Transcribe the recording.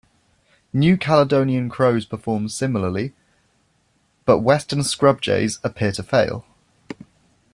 New Caledonian crows perform similarly, but Western scrub-jays appear to fail.